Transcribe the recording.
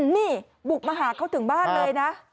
นี่บุกมาหาเขาถึงบ้านเลยนะ